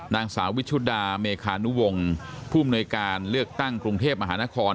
นางสาว์วิชุดามนอพวุ่มนวยการเลือกเต้นกรุงเทพฯมหานคร